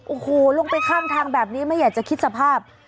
โอ้โหลงไปข้างทางแบบนี้ไม่อยากจะคิดสภาพ